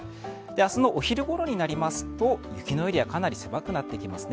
明日のお昼ごろになりますと雪のエリアかなり狭くなってきますね。